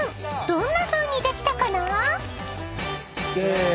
どんなふうにできたかな？］